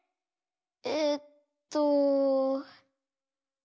えっと。